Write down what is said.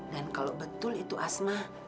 dan kalau betul itu asma